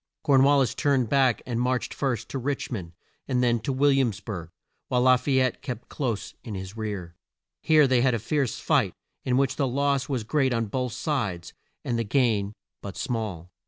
Corn wal lis turned back, and marched first to Rich mond, and then to Will iams burg, while La fay ette kept close in his rear. Here they had a fierce fight, in which the loss was great on both sides, and the gain but small.